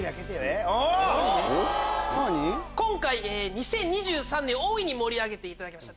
２０２３年大いに盛り上げていただきました